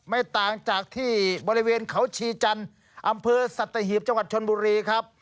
ไม่ต่างจากที่บริเวณเขาชีจันทร์อำเภอสัตหีบจังหวัดชนบุรีครับ